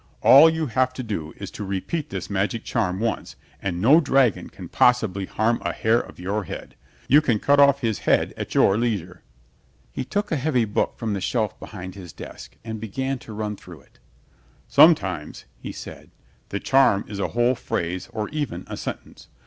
All you have to do is to repeat this magic charm once and no dragon can possibly harm a hair of your head. You can cut off his head at your leisure." He took a heavy book from the shelf behind his desk and began to run through it. "Sometimes," he said, "the charm is a whole phrase or even a sentence.